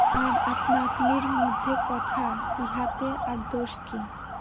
আর আপনা-আপনির মধ্যে কথা, ইহাতে আর দোষ কী?